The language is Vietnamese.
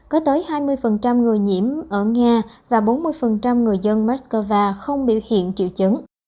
có tới hai mươi người nhiễm ở nga và bốn mươi người dân moscow không biểu hiện triệu chứng